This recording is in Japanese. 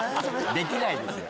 できないですよ！